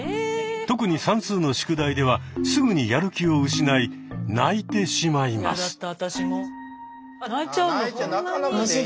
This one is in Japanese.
特に算数の宿題ではすぐにやる気を失い泣いてしまいます。